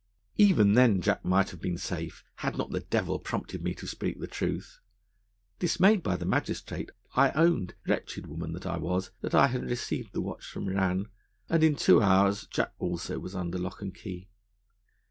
Even then Jack might have been safe, had not the devil prompted me to speak the truth. Dismayed by the magistrate, I owned, wretched woman that I was, that I had received the watch from Rann, and in two hours Jack also was under lock and key.